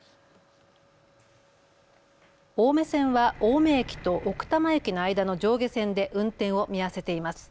青梅線は青梅駅と奥多摩駅の間の上下線で運転を見合わせています。